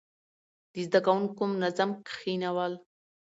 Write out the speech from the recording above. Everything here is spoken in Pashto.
د زده کوونکو منظم کښينول،